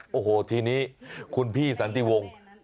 เพื่อนเอาของมาฝากเหรอคะเพื่อนมาดูลูกหมาไงหาถึงบ้านเลยแหละครับ